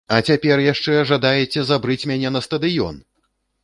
А цяпер яшчэ жадаеце забрыць мяне на стадыён!